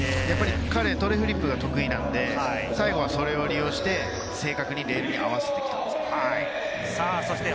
彼はトレフリップが得意なので、最後はそれを利用して正確にレールに合わせてきました。